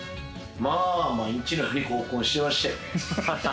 毎日のように合コンしてましたよね。